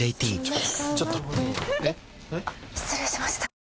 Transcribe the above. あっ失礼しました。